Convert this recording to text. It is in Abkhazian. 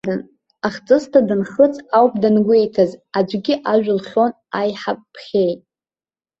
Ахҵысҭа данхыҵ ауп дангәеиҭаз, аӡәгьы ажә лхьон, аиҳа бхьеит!